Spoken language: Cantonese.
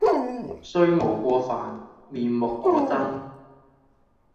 雖無過犯，面目可憎